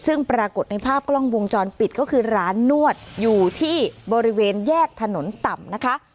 ซึ่งปรากฏในภาพกล้องวงจรปิดก็คือร้านนวดอยู่ที่บริเวณแยกถนนต่ำนะคะ